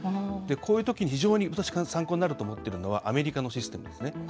こういうときに、非常に私が参考になると思っているのはアメリカのシステムですね。